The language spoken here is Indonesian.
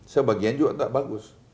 sebagian juga nggak bagus